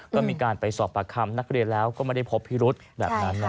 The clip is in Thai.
ก็มีการไปสอบปากคำนักเรียนแล้วก็ไม่ได้พบพิรุษแบบนั้น